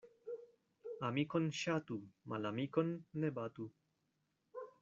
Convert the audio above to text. Amikon ŝatu, malamikon ne batu.